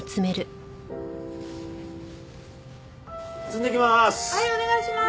積んできます！